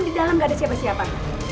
di dalam gak ada siapa siapa